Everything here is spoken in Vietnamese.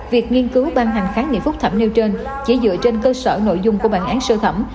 việc nghiên cứu ban hành kháng nghị phúc thẩm nêu trên chỉ dựa trên cơ sở nội dung của bản án sơ thẩm